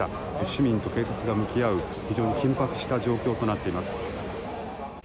市民と警察が向き合う非常に緊迫した状況となっています。